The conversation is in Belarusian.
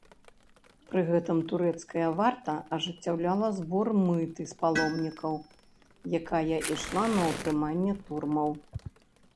Пры гэтым турэцкая варта ажыццяўляла збор мыты з паломнікаў, якая ішла на ўтрыманне турмаў.